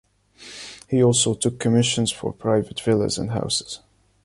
He also took commissions for private villas and houses.